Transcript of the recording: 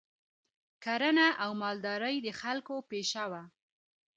کرنه او مالداري د خلکو پیشه وه